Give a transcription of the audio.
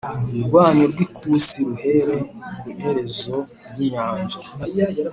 Rwanyu rw ikusi ruhere ku iherezo ry inyanja